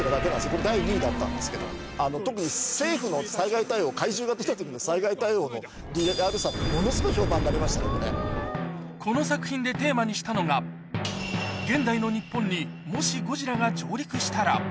これ第２位だったんですけど、特に政府の災害対応、怪獣が出たときの災害対応のリアルさ、ものすごい評判になりましこの作品でテーマにしたのが、現代の日本にもしゴジラが上陸したら？